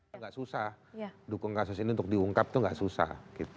agak susah dukung kasus ini untuk diungkap itu nggak susah